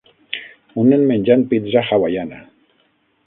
Un nen menjant pizza hawaiana